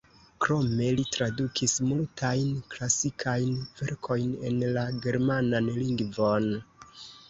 Krome li tradukis multajn klasikajn verkojn en la germanan lingvon.